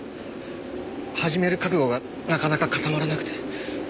始める覚悟がなかなか固まらなくて。